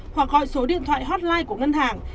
hoặc gọi số điện thoại hotline của ngân hàng